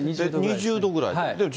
２０度ぐらいで。